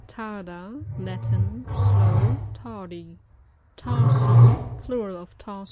Tarda. — ^Latin. Slow, tardy. Tarsl— Floral of tarsus.